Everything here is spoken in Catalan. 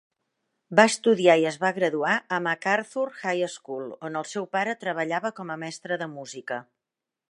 Va estudiar i es va graduar a MacArthur High School, on el seu pare treballava com a mestre de música.